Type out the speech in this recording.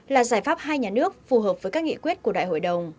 là giải pháp hai nhà nước phù hợp với các nghị quyết của đại hội đồng